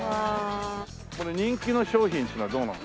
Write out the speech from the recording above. これ人気の商品っていうのはどうなの？